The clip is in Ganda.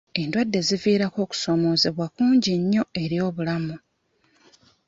Endwadde ziviirako okusoomoozebwa kungi nnyo eri obulamu.